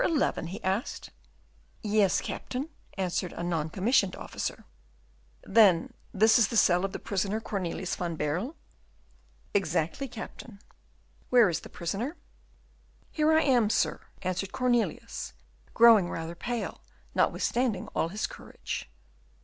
11?" he asked. "Yes, Captain," answered a non commissioned officer. "Then this is the cell of the prisoner Cornelius van Baerle?" "Exactly, Captain." "Where is the prisoner?" "Here I am, sir," answered Cornelius, growing rather pale, notwithstanding all his courage.